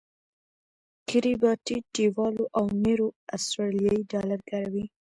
کیریباټی، ټیوالو او نیرو اسټرالیایي ډالر کاروي.